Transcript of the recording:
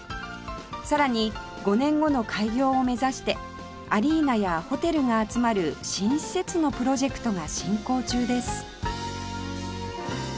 さらに５年後の開業を目指してアリーナやホテルが集まる新施設のプロジェクトが進行中です